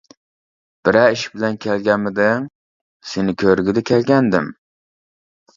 بىرەر ئىش بىلەن كەلگەنمىدىڭ؟ -سېنى كۆرگىلى كەلگەنىدىم.